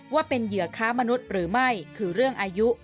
ว่าเป็นเหยื่อค้ามนุษย์หรือไม่คือเรื่องอายุ